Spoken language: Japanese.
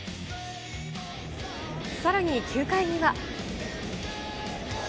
さらに９回には。